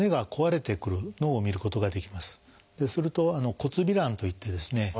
すると「骨びらん」といってですね